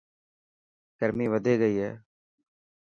گرمي وڌي گئي هي.